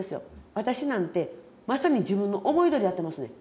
私なんてまさに自分の思いどおりやってますねん。